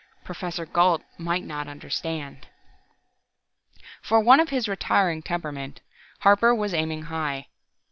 Professor Gault might not understand.... For one of his retiring temperament, Harper was aiming high.